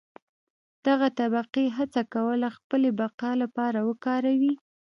دغه طبقې هڅه کوله خپلې بقا لپاره وکاروي.